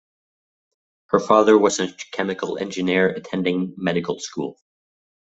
Her father was a chemical engineer attending medical school.